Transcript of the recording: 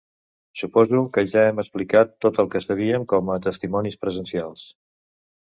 Suposo que ja hem explicat tot el que sabíem com a testimonis presencials.